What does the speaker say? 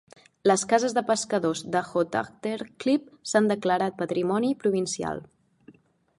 Les cases de pescadors de Hotagterklip s'han declarat patrimoni provincial.